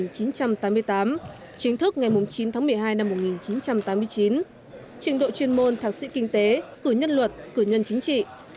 chính thức ngày chín tháng một mươi hai năm một nghìn chín trăm tám mươi chín trình độ chuyên môn thạc sĩ kinh tế cử nhân luật cử nhân chính trị